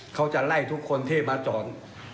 เขาจะไล่ทุกคนที่มาจอด